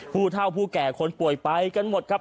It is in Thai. ผู้เท่าผู้แก่คนป่วยไปกันหมดครับ